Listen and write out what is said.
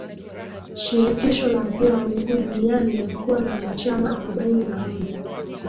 shirikisho la mpira wa miguu duniani lilikuwa na wanachama arobaini na moja